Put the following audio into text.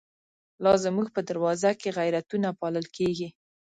لا زمونږ په دروازو کی، غیرتونه پا لل کیږی